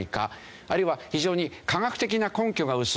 あるいは非常に科学的な根拠が薄い。